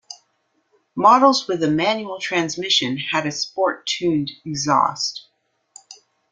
Models with a manual transmission had a sport-tuned exhaust.